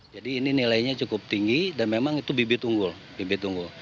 jadi ini nilainya cukup tinggi dan memang itu bibit unggul